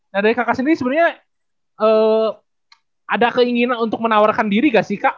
nah dari kakak sendiri sebenarnya ada keinginan untuk menawarkan diri gak sih kak